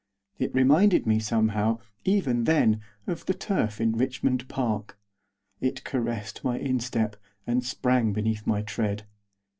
It reminded me, somehow, even then, of the turf in Richmond Park, it caressed my instep, and sprang beneath my tread.